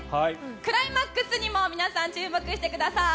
クライマックスにも皆さん注目してください。